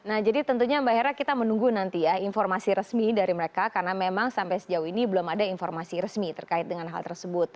nah jadi tentunya mbak hera kita menunggu nanti ya informasi resmi dari mereka karena memang sampai sejauh ini belum ada informasi resmi terkait dengan hal tersebut